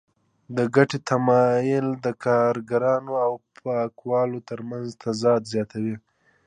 د ګټې تمایل د کارګرانو او پانګوالو ترمنځ تضاد زیاتوي